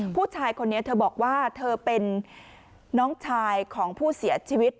ผู้ชายคนนี้เธอบอกว่าเธอเป็นน้องชายของผู้เสียชีวิต